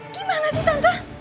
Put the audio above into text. gimana sih tante